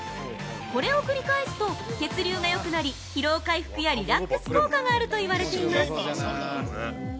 これを繰り返すと血流がよくなり疲労回復やリラックス効果があると言われています。